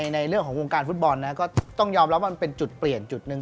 ในเรื่องของวงการฟุตบอลนะก็ต้องยอมรับว่ามันเป็นจุดเปลี่ยนจุดหนึ่ง